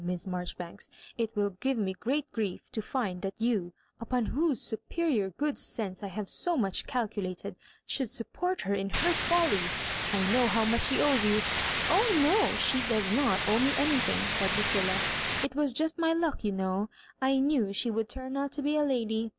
Miss Marjoribanks. It will give me great grief to find that you, upon whose superior good sense I have so much calculated, • should support her in her folly. I know how much she owes to you "" Oh, no, she does not owe me anythmg," said Ludlla. '* It was just my luck, you know. I knew she would turn out to be a lady.